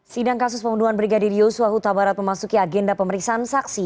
sidang kasus pembunuhan brigadir yosua huta barat memasuki agenda pemeriksaan saksi